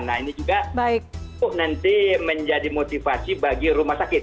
nah ini juga nanti menjadi motivasi bagi rumah sakit